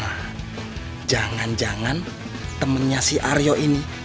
nah jangan jangan temennya si aryo ini